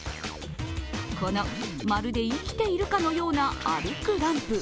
この、まるで生きているかのような歩くランプ。